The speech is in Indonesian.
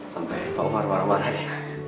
sampai pak umar marah marah nih